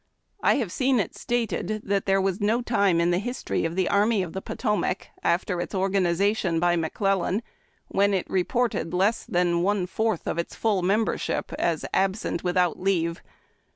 I have seen it stated that there was no time in the history of the Army of the Potomac, after its organization by McClellan, when it reported less than one fourth its full membership as absent without leave.